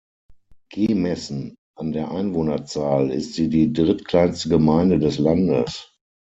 Gemessen an der Einwohnerzahl ist sie die drittkleinste Gemeinde des Landes.